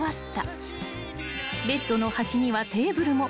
［ベッドの端にはテーブルも］